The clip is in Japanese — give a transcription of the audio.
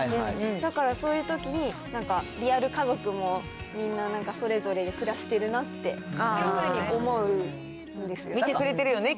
だから、そういうときになんか、リアル家族もみんな、それぞれに暮らしてるなっていうふうに思うんですよね。